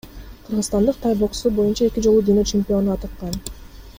Кыргызстандык тай боксу боюнча эки жолу дүйнө чемпиону атыккан.